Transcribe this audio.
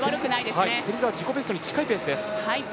芹澤、自己ベストに近いペース。